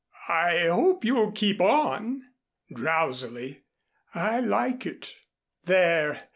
"I hope you'll keep on," drowsily. "I like it." "There!